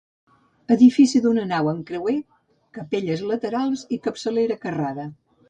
Edifici d'una nau amb creuer, capelles laterals i capçalera carrada.